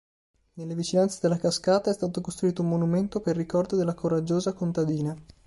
Nelle vicinanze della cascata è stato costruito un monumento per ricordo della coraggiosa contadina.